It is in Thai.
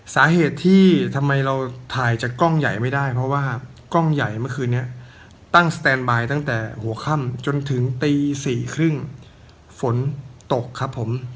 สาเหตุที่ทำไมเราถ่ายจากกล้องใหญ่ไม่ได้เพราะว่ากล้องใหญ่เมื่อคืนนี้ตั้งสแตนบายตั้งแต่หัวค่ำจนถึงตี๔๓๐ฝนตกครับผม